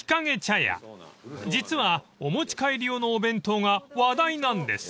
［実はお持ち帰り用のお弁当が話題なんです］